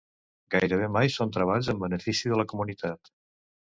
Gairebé mai són treballs en benefici de la comunitat.